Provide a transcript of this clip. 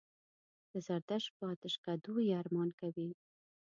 د زردشت په آتشکدو یې ارمان کوي.